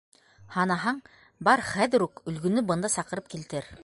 - Һанаһаң, бар хәҙер үк Өлгөнө бында саҡырып килтер.